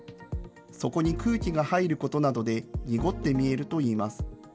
そこに空気が入ることなどで濁って見えるといいます。